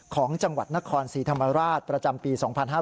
ของจังหวัดนครศรีธรรมราชประจำปี๒๕๕๙